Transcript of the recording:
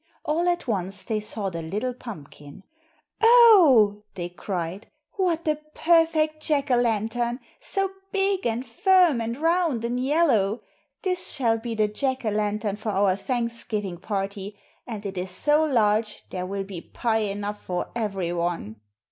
All at once they saw the little pumpkin. "Oh!" they cried, "What a perfect Jack o' lantern! So big and firm and round and yellow! This shall be the Jack o' lantern for our Thanksgiving party, and it is so large there will be pie enough for every one."